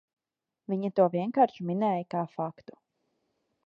Viņa to vienkārši minēja kā faktu.